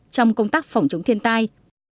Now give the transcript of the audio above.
trong công tác phòng chống thiên tai